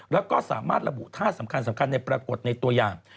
แล้วก็สามารถระบุท่าสำคัญสำคัญในปรากฏในตัวอย่าง